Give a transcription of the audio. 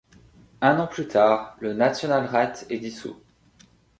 Un an plus tard, le Nationalrat est dissous.